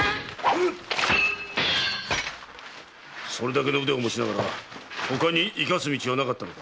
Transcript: それだけの腕を持ちながら他に生かす道はなかったのか。